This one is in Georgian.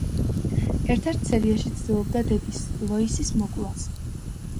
ერთ-ერთ სერიაში ცდილობდა დედის, ლოისის მოკვლას.